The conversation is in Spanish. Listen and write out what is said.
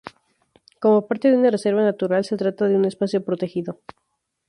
Como parte de una Reserva natural se trata de un espacio protegido.